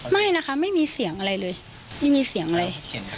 ไม่นะคะไม่มีเสียงอะไรเลยไม่มีเสียงอะไร